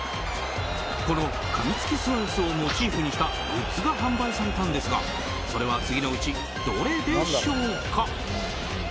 このかみつきスアレスをモチーフにしたグッズが販売されたんですがそれは次のうちどれでしょうか。